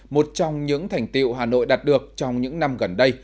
một trong những thành tiệu hà nội đạt được trong những năm gần đây